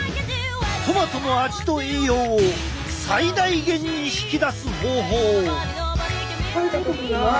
トマトの味と栄養を最大限に引き出す方法を！